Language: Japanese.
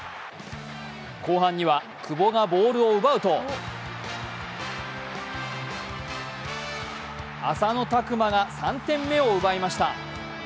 後半には久保がボールを奪うと浅野拓磨が３点目を奪いました。